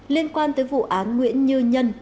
liên quan tới vụ án nguyễn như nhân